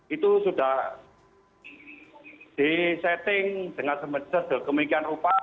itu sudah disetting dengan sebeleke kemikian rupa